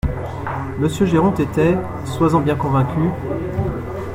Monsieur Géronte était, sois-en bien convaincu…